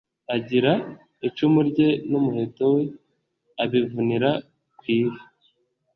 agira icumu rye n' umuheto we abivunira ku ivi